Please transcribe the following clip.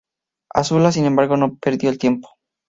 Azula, sin embargo, no perdió el tiempo.